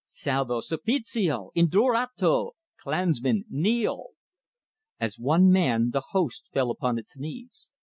Salvo! Suppositio! Indurato! Klansmen, kneel!" As one man, the host fell upon its knees.